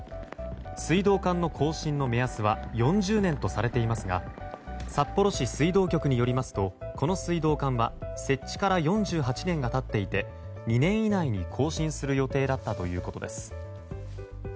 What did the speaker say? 水道管の更新の目安は４０年とされていますが札幌市水道局によりますとこの水道管は設置から４８年が経っていて２年以内に更新する予定だったということです。